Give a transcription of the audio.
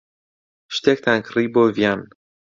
شتێکتان کڕی بۆ ڤیان.